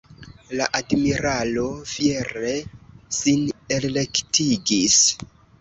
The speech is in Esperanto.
La admiralo fiere sin elrektigis.